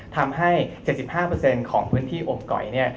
ทำให้๗๕ของพื้นที่อำเก๋อย